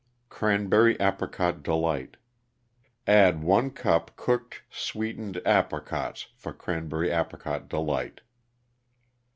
=Cranberry Apricot Delight.= Add 1 cup cooked sweetened apricots for Cranberry Apricot Delight.